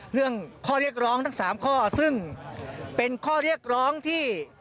เรื่องข้อเรียกร้องทั้ง๓ข้อซึ่งเป็นข้อเรียกร้องที่